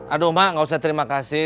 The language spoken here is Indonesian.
aduh mbak nggak usah terima kasih